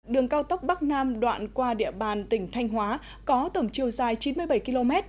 đường cao tốc bắc nam đoạn qua địa bàn tỉnh thanh hóa có tổng chiều dài chín mươi bảy km